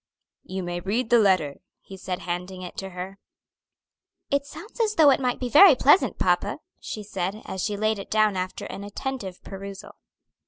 "You may read the letter," he said, handing it to her. "It sounds as though it might be very pleasant, papa," she said, as she laid it down after an attentive perusal.